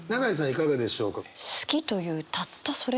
いかがでしょうか？